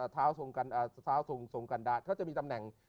เท้าทรงกันดาเขาจะมีตำแหน่ง